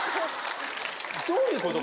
どういうこと？